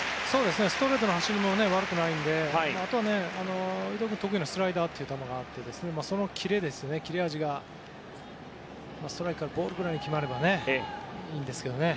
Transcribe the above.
ストレートの走りも悪くないのであとは伊藤君得意のスライダーがあってその切れ味がストライクからボールぐらいに決まればいいんですけどね。